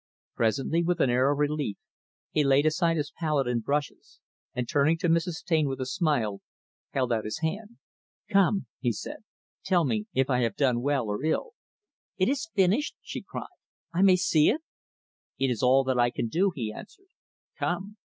Presently, with an air of relief, he laid aside his palette and brushes; and turning to Mrs. Taine, with a smile, held out his hand. "Come," he said, "tell me if I have done well or ill." "It is finished?" she cried. "I may see it?" "It is all that I can do" he answered "come."